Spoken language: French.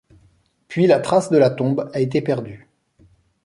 Puis la trace de la tombe a été perdue.